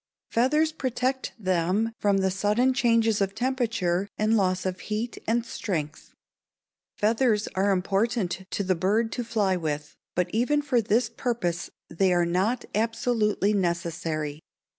Feathers protect them from the sudden changes of temperature and loss of heat and strength. Feathers are important to the bird to fly with; but even for this purpose they are not absolutely necessary.